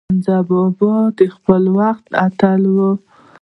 حمزه بابا د خپل وخت اتل و.